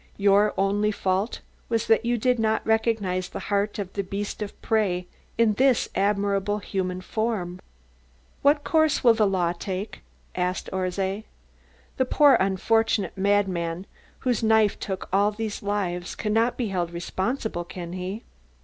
Your only fault was that you did not recognise the heart of the beast of prey in this admirable human form." "What course will the law take?" asked Orszay. "The poor unfortunate madman whose knife took all these lives cannot be held responsible, can he?"